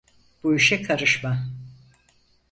Bu işe karışma!